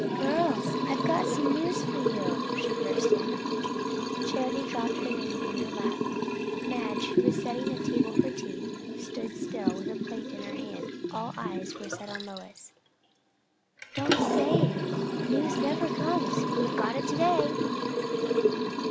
"Girls, I've got some news for you!" she burst in. Charity dropped her knitting in her lap. Madge, who was setting the table for tea, stood still with a plate in her hand. All eyes were on Lois. "Don't say news never comes! We've got it to day."